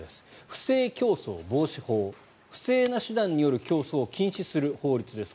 不正競争防止法不正な手段による競争を禁止する法律です。